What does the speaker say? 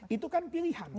itu kan pilihan